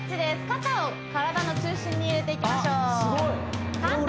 肩を体の中心に入れていきましょうあっ